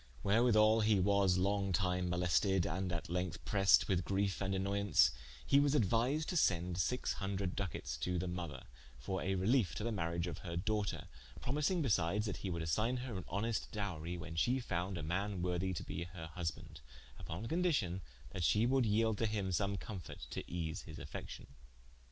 Wherewithall hee was long tyme molested, and at lengthe pressed with griefe and annoyance, hee was aduised to sende sixe hundred ducates to the mother, for a reliefe to the mariage of her doughter, promising besides, that he would assigne her an honest dowrie, when she found a man worthy to be her husbande: vppon condicion that she would yelde to him some comforte, to ease his affection.